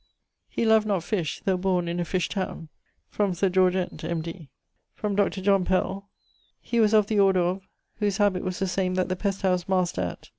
He loved not fish, though borne in a fish towne from Sir George Ent, M.D. Dr. John Pell: he was of the order of ..., whose habit was the same that the pest house master at